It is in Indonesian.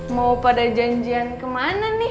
mau pada janjian kemana nih